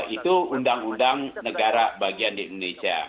itu undang undang negara bagian di indonesia